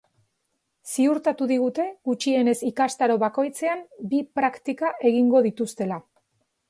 Ziurtatu digute gutxienez ikastaro bakoitzean bi praktika egingo dituztela.